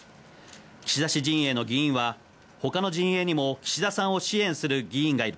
岸田氏陣営の議員は他の陣営にも岸田さんを支援する議員がいる。